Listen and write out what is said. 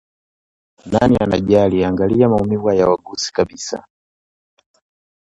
Nani anajali angali maumivu hayawagusi kabisa